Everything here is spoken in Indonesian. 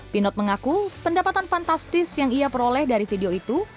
pinot mengaku pendapatan fantastis yang ia peroleh dari video itu